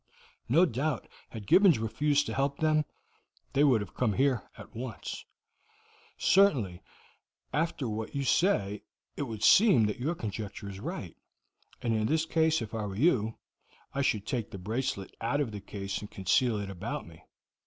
No doubt, had Gibbons refused to help them, they would have come here at once." "Certainly, after what you say it would seem that your conjecture is right, and in this case, if I were you, I should take the bracelet out of the case and conceal it about me.